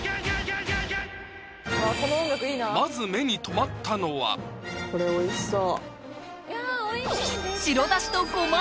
まず目に留まったのはこれ美味しそう！